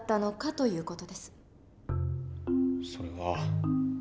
それは。